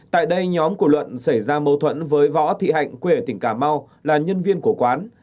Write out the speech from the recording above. tại đây nhóm của luận xảy ra mâu thuẫn với võ thị hạnh quê ở tỉnh cà mau là nhân viên của quán